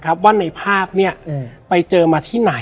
และวันนี้แขกรับเชิญที่จะมาเชิญที่เรา